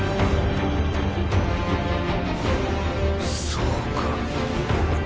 そうか。